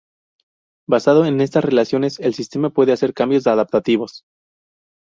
Basado en estas relaciones, el sistema puede hacer cambios adaptativos.